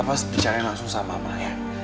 papa harus bicara langsung sama mama ya